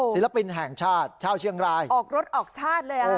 ศิลปินแห่งชาติชาวเชียงรายออกรถออกชาติเลยอ่ะ